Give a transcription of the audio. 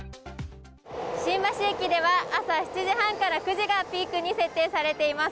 新橋駅では、朝７時半から９時がピークに設定されています。